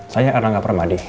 saya erlangga pramadi